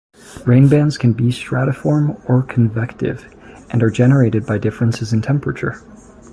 Rainbands can be stratiform or convective, and are generated by differences in temperature.